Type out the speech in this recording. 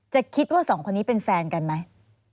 จะคิดว่าสองคนนี้เป็นแฟนกันไหม